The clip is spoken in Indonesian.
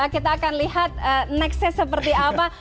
kita akan lihat nextnya seperti apa